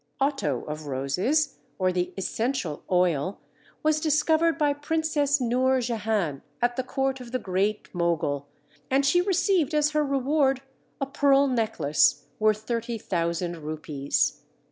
Otto of Roses, or the essential oil, was discovered by Princess Nour Jehan at the court of the Great Mogul, and she received as her reward a pearl necklace worth 30,000 rupees.